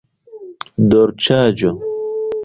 dolĉaĵo